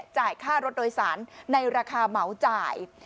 จ่ายค่ารถโดยสารในราคาเหมาจ่าย